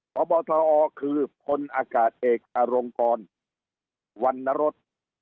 พบทอคือพลอากาศเอกอรงกรวันนรส